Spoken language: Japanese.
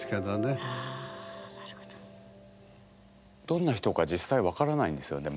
どんな人か実際分からないんですよね？